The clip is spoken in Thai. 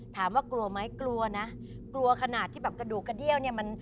ถามว่ากลัวไหม